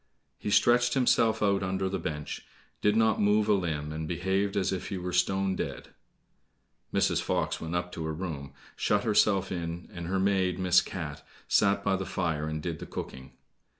He stretched himself out under the bench, did not move a limb, and behaved as if he were stone dead. Mrs. Fox went up to her room, shut herself in, and her maid, Miss Cat, sat by the fire, and did the cooking.